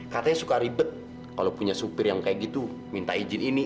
katanya suka ribet kalau punya supir yang kayak gitu minta izin ini